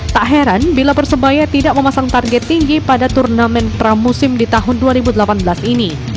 tak heran bila persebaya tidak memasang target tinggi pada turnamen pramusim di tahun dua ribu delapan belas ini